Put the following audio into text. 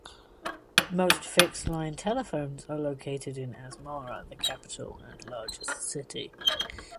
Most fixed line telephones are located in Asmara, the capital and largest city.